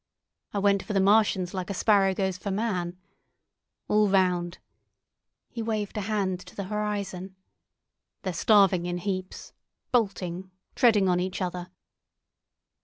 I went for the Martians like a sparrow goes for man. All round"—he waved a hand to the horizon—"they're starving in heaps, bolting, treading on each other.